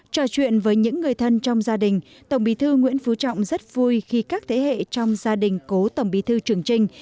trò chuyện với những người thân trong gia đình tổng bí thư nguyễn phú trọng rất vui khi các thế hệ trong gia đình cố tổng bí thư trường trinh